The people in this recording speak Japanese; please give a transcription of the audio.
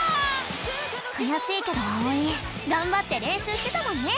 くやしいけどあおいがんばってれんしゅうしてたもんね！